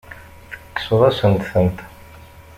Tekkseḍ-asent-tent.